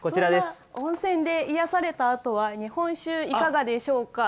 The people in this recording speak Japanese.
温泉で癒やされたあとは日本酒いかがでしょうか？